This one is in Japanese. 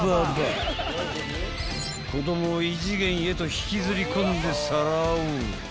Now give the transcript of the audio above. ［子供を異次元へと引きずり込んでさらう］